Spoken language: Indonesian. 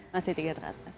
masih tiga teratas